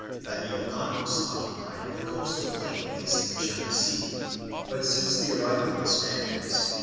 The Ilokanos occupied the coastal plain facing the China Sea, but since the arrival of the Spaniards they